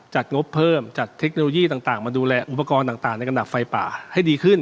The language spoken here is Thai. จัดงบเพิ่มจัดเทคโนโลยีจัดอุปกรณ์มาดูแลในขณะไฟป่าให้ดีขึ้น